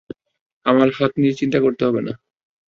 আমার হাত নিয়ে চিন্তা করতে হবেনা।